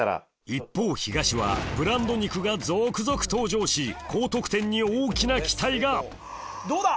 一方東はブランド肉が続々登場し高得点に大きな期待がどうだ！